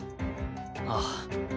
ああ。